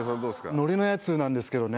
のりのやつなんですけどね